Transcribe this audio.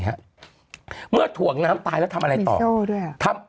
เหมือนถ่วงน้ำตายแล้วทำอะไรต่อกัน